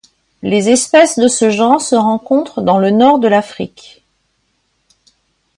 Les espèces de ce genre se rencontrent dans le Nord de l'Afrique.